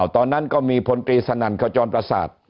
ตอนนั้นก็มีพลตรีสนั่นขจรประสาท